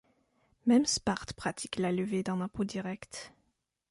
Même Sparte pratique la levée d'un impôt direct.